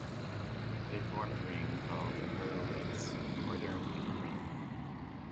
They form a ring called the Hurwitz quaternion ring.